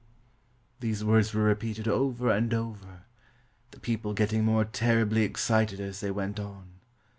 " These words were repeated over and over, the people getting more terribly excited as they went on.